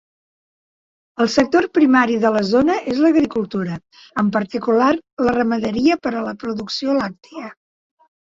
El sector primari de la zona és l'agricultura, en particular la ramaderia per a la producció làctia.